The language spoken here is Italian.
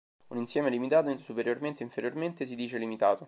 Un insieme limitato superiormente e inferiormente si dice limitato.